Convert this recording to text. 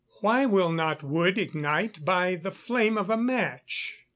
_Why will not wood ignite by the flame of a match?